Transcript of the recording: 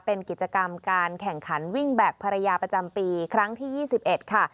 เป็นกิจกรรมการแข่งขันวิ่งแบบภรรยาประจำปีครั้งที่๒๑ค่ะ